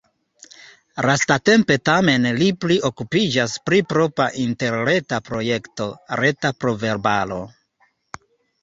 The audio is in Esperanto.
Lastatempe tamen li pli okupiĝas pri propra interreta projekto: reta proverbaro.